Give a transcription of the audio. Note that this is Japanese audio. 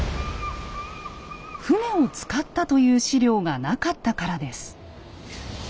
船を使ったという史料がなかったからです。